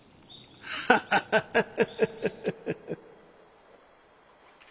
ハハハハハハ。